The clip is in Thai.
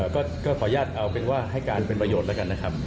ก็ขออนุญาตเอาเป็นว่าให้การเป็นประโยชน์แล้วกันนะครับ